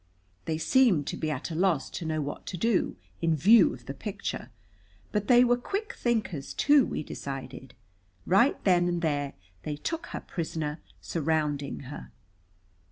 They seemed to be at a loss to know what to do, in view of the picture. But they were quick thinkers, too, we decided. Right then and there they took her prisoner, surrounding her.